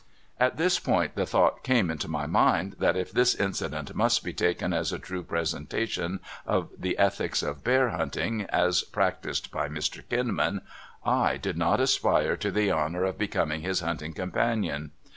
At this point the thought came into my mind that if this incident must be taken as a true pre sentation of the ethics of bear hunting as practiced by Mr. Kinman, I did not aspire to the honor of becoming his hunting companion.